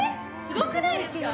すごくないですか？